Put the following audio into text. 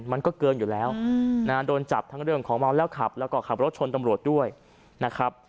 มันก็เกินอยู่แล้วโดนจับทั้งเรื่องของเมาแล้วขับแล้วก็ขับรถชนตำรวจด้วยนะครับ